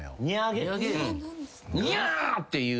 「にゃー」って言う。